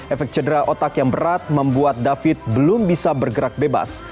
efek cedera otak yang berat membuat david belum bisa bergerak bebas